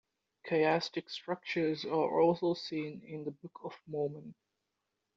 Chiastic structures are also seen in the Book of Mormon.